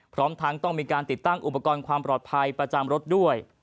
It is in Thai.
พร้อมทั้งต้องมีการติดตั้งอุปกรณ์ความปลอดภัยประจำรถด้วย